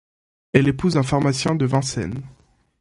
Elle épouse un pharmacien de Vincennes.